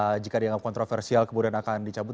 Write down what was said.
jika dianggap kontroversial kemudian akan dicabut